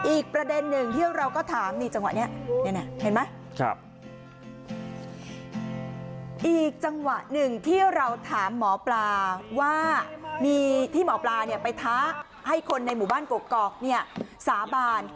อีกประเด็นหนึ่งที่เราก็ถามนี่จังหวะนี้เห็นไหมอีกจังหวะหนึ่งที่เราถามหมอปลาว่ามีที่หมอปลาเนี่ยไปท้าให้คนในหมู่บ้านกกอกเนี่ยสาบาน